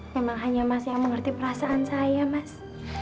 memang hanya mas yang mengerti perasaan saya mas